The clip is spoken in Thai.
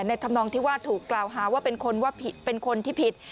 ทำนองที่ว่าถูกกล่าวหาว่าเป็นคนว่าผิดเป็นคนที่ผิด